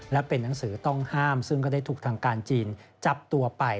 และเป็นหนังสือต้องห้ามซึ่งก็ได้ถูกทางการจีนจับตัวไป